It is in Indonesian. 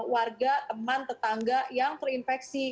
warga teman tetangga yang terinfeksi